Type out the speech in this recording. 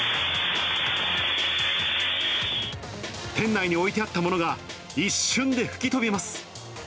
店内に置いてあったものが一瞬で吹き飛びます。